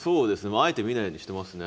あえて見ないようにしてますね。